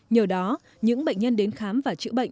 nhờ đó những bệnh nhân đến khám và chữa bệnh